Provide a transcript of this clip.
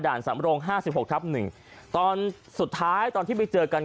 สำโรงห้าสิบหกทับหนึ่งตอนสุดท้ายตอนที่ไปเจอกัน